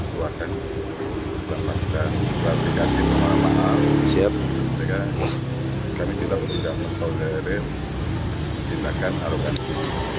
kita akan setelah kita klasifikasi nomor mahal kami tidak akan mengkaujari kita akan aroganisasi